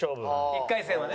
１回戦はね。